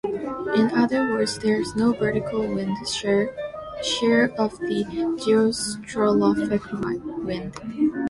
In other words, there is no vertical wind shear of the geostrophic wind.